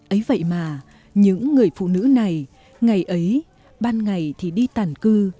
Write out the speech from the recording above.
ấy vậy mà những người phụ nữ này ngày ấy ban ngày thì đi tàn cư